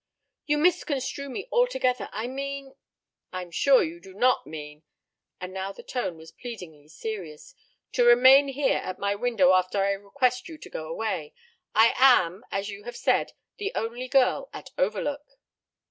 "You misconstrue me altogether. I mean " "I am sure you do not mean," and now the tone was pleadingly serious, "to remain here at my window after I request you to go away. I am, as you have said, the only girl at Overlook."